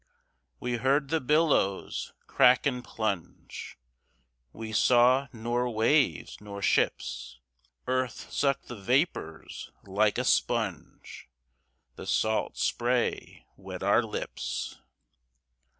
We heard the billows crack and plunge, We saw nor waves nor ships. Earth sucked the vapors like a sponge, The salt spray wet our lips.